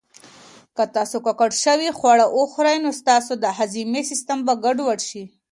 که تاسو ککړ شوي خواړه وخورئ، نو ستاسو هضمي سیسټم به ګډوډ شي.